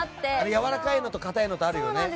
やわらかいのと硬いのあるよね。